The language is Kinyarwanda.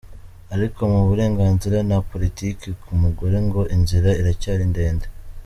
Ariko mu burenganzira na politiki ku mugore ngo inzira iracyari ndende.